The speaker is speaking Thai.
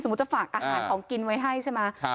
จะฝากอาหารของกินไว้ให้ใช่ไหม